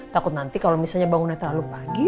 takut nanti kalo misalnya bangunan terlalu pagi